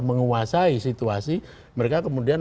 menguasai situasi mereka kemudian